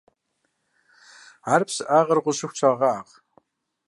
Ар псыӏагъэр гъущыху щагъагъ.